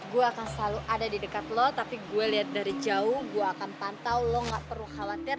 gue akan selalu ada di dekat lo tapi gue liat dari jauh gue akan pantau lo gak perlu khawatir